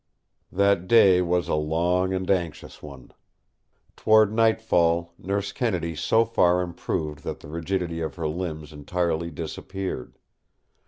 That day was a long and anxious one. Toward nightfall Nurse Kennedy so far improved that the rigidity of her limbs entirely disappeared.